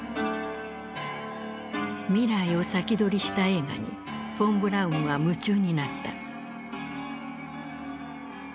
未来を先取りした映画にフォン・ブラウンは夢中になった。